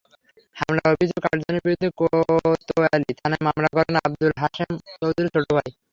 হামলার অভিযোগে আটজনের বিরুদ্ধে কোতোয়ালি থানায় মামলা করেন আবুল হাশেম চৌধুরীর ছোট ভাই।